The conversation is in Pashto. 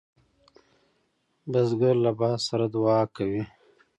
بزګر له باد سره دعا کوي